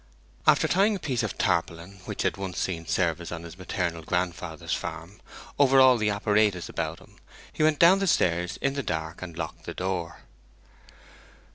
After tying a piece of tarpaulin, which had once seen service on his maternal grandfather's farm, over all the apparatus around him, he went down the stairs in the dark, and locked the door.